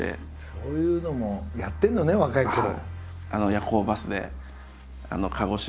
そういうのもやってるのね若いころ。